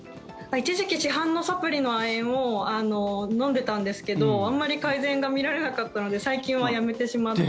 一時期市販のサプリの亜鉛を飲んでたんですけどあまり改善が見られなかったので最近はやめてしまって。